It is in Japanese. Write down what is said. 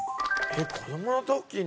えっ子供の時に。